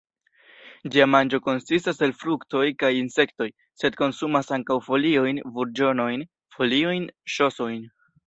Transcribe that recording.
Ĝia manĝo konsistas el fruktoj kaj insektoj, sed konsumas ankaŭ foliojn, burĝonojn, foliojn, ŝosojn.